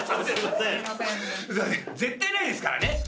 絶対ないですからね。